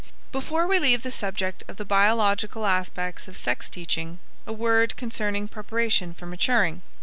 Before we leave the subject of the biological aspects of sex teaching, a word concerning preparation for maturing.